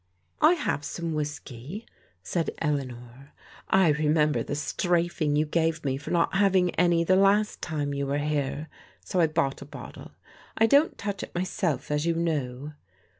" I have some whiskey," said Eleanor. " I remem bered the straafing you gave me for not having any the last time you were here, so I bought a bottle. I don't touch it myself, as you know."